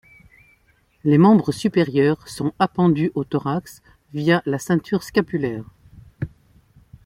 Les membres supérieurs sont appendus au thorax via la ceinture scapulaire.